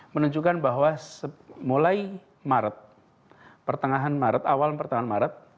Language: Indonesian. menunjukkan bahwa mulai maret pertengahan maret awal pertengahan maret